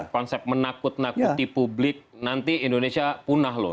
konsep menakut nakuti publik nanti indonesia punah loh